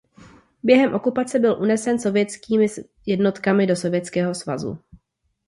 Během okupace byl unesen sovětskými jednotkami do Sovětského svazu.